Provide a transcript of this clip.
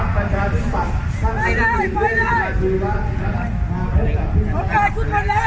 ไปเลยไปเลย